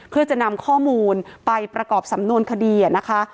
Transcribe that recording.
เพื่อจะนำข้อมูลไปประกอบสำนวนคดีนะคะ